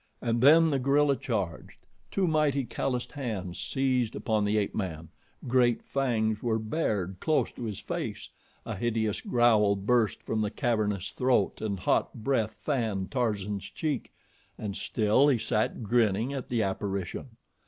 And then the gorilla charged. Two mighty, calloused hands seized upon the ape man, great fangs were bared close to his face, a hideous growl burst from the cavernous throat and hot breath fanned Tarzan's cheek, and still he sat grinning at the apparition.